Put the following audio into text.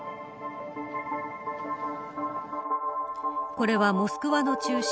これはモスクワの中心